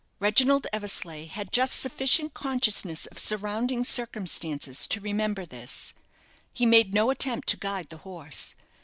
Reginald Eversleigh had just sufficient consciousness of surrounding circumstances to remember this. He made no attempt to guide the horse.